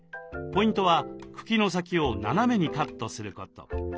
ポイントは茎の先を斜めにカットすること。